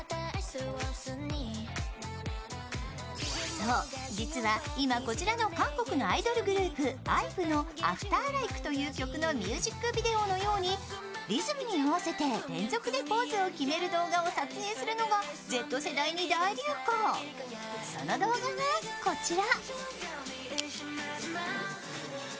そう、実は今、こちらの韓国のアイドルグループ、ＩＶＥの「ＡｆｔｅｒＬＩＫＥ」という曲のミュージックビデオのようにリズムに合わせて連続でポーズを決める動画を撮影するのがその動画がこちら。